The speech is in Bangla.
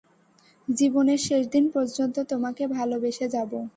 জীবনের শেষদিন পর্যন্ত তোমাকে ভালোবেসে যাবো।